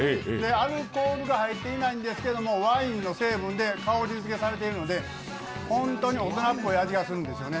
アルコールが入っていないんですけど、ワインの成分で香りづけされているので本当に大人っぽい味がするんですよね。